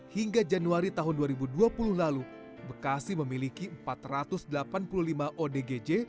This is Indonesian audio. hingga januari tahun dua ribu dua puluh lalu bekasi memiliki empat ratus delapan puluh lima odgj